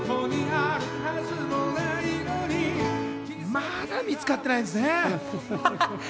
まだ見つかってないんですね。